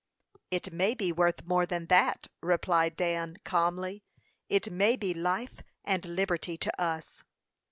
"It may be worth more than that," replied Dan calmly. "It may be life and liberty to us."